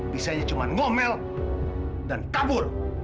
bisanya cuma ngomel dan kabur